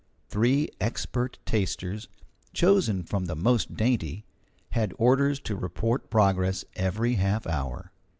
Three expert tasters, chosen from the most dainty, had orders to report progress every half hour.